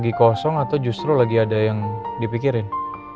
lagi kosong atau justru lagi ada yang dipikirin